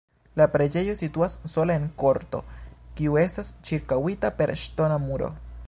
La preĝejo situas sola en korto, kiu estas ĉirkaŭita per ŝtona muro.